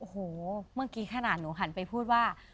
เหมือนเมื่อกี้มานานนานหนูหันไปพูดว่า